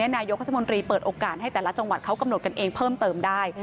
นายกธมรีเปิดโอกาสให้จังหวัดเขากำหนดเองเพิ่มเติมได้